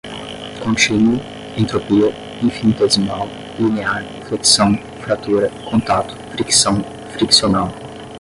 Contínuo, entropia, infinitesimal, linear, flexão, fratura, contato, fricção, friccional